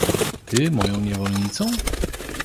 — Ty moją niewolnicą?